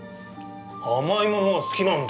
甘いものが好きなんだよ。